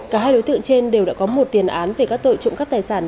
cả hai đối tượng trên đều đã có một tiền án về các tội trộm cắp tài sản